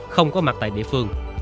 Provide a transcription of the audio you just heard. không có mặt tại địa phương